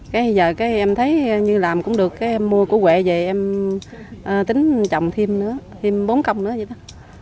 cái giờ em thấy như làm cũng được em mua của quậy về em tính trồng thêm nữa thêm bốn công nữa vậy đó